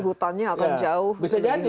hutannya akan jauh bisa jadi